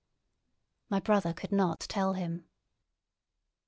My brother could not tell him.